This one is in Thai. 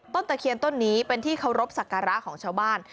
ตะเคียนต้นนี้เป็นที่เคารพสักการะของชาวบ้าน